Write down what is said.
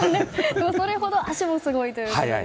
それほど足もすごいということで。